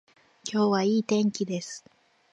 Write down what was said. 今日は良い天気です